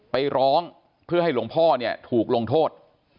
ไปร้องเพื่อให้หลวงพ่อเนี่ยถูกลงโทษ